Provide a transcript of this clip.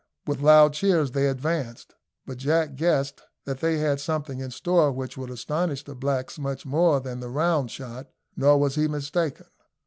With loud cheers they advanced; but Jack guessed that they had something in store which would astonish the blacks much more than the round shot; nor was he mistaken.